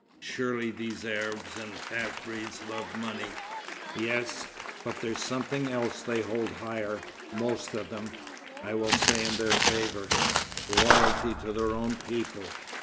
"Surely these Arabs and half breeds love money." "Yes, but there's something else they hold higher, most of them, I will say in their favour loyalty to their own people.